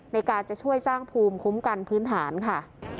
ในการจะช่วยสร้างภูมิคุ้มกันพื้นฐานค่ะ